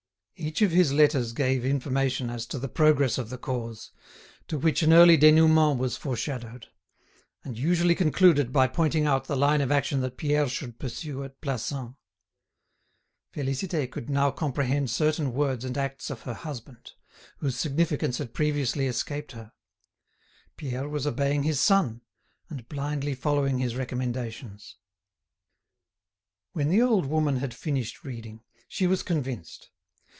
Each of his letters gave information as to the progress of the cause, to which an early dénouement was foreshadowed; and usually concluded by pointing out the line of action that Pierre should pursue at Plassans. Félicité could now comprehend certain words and acts of her husband, whose significance had previously escaped her; Pierre was obeying his son, and blindly following his recommendations. When the old woman had finished reading, she was convinced.